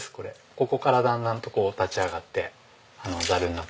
ここからだんだんと立ち上がってざるになっていきます。